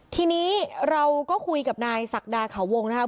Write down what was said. ทีนี้เราก็คุยกับนายศักดาเขาวงนะครับ